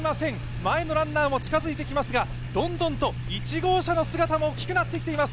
前のランナーも近づいてきますがどんどんと１号車の姿も大きくなってきています。